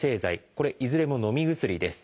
これいずれものみ薬です。